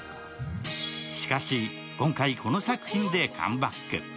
しかし、今回この作品でカムバック。